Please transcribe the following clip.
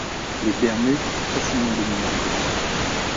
Les Bermudes ont facilement dominé le groupe.